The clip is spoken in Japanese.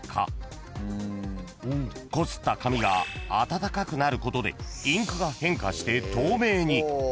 ［こすった紙が温かくなることでインクが変化して透明に］